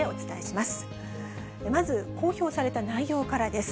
まず、公表された内容からです。